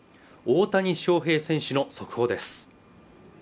大谷翔平選手の速報です